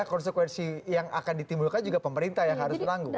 konsekuensi yang akan ditimbulkan juga pemerintah yang harus menanggung